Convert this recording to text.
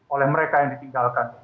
oleh mereka yang ditinggalkan